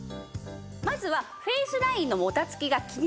まずはフェイスラインのもたつきが気になる方。